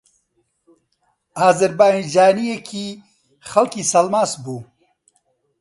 ئازەربایجانییەکی خەڵکی سەلماس بوو